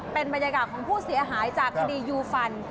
เป็นบรรยากาศของผู้เสียหายจากคดียูฟัน